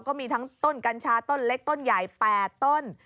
ก็มีทั้งต้นกัญชาต้นเล็กต้นใหญ่๘ต้น